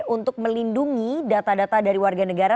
untuk melindungi data data dari warga negara